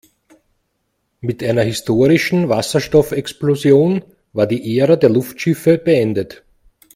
Mit einer historischen Wasserstoffexplosion war die Ära der Luftschiffe beendet.